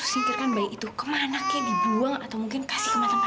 sampai jumpa di video selanjutnya